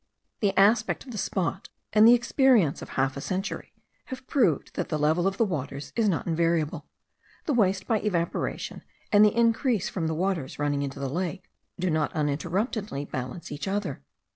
The aspect of the spot, and the experience of half a century, have proved that the level of the waters is not invariable; the waste by evaporation, and the increase from the waters running into the lake, do not uninterruptedly balance each other.